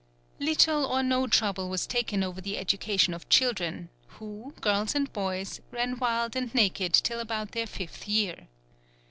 Little or no trouble was taken over the education of children, who, girls and boys, ran wild and naked till about their fifth year.